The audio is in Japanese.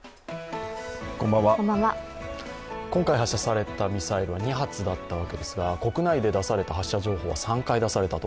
今回発射されたミサイルは２発だったわけですが、国内で出された発射情報は３回出されたと。